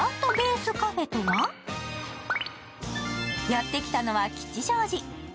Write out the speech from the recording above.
やってきたのは吉祥寺。